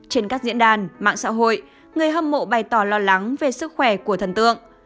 trên các diễn đàn mạng xã hội người hâm mộ bày tỏ lo lắng về sức khỏe của thần tượng